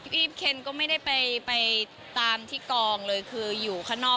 พี่เคนก็ไม่ได้ไปตามที่กองเลยคืออยู่ข้างนอก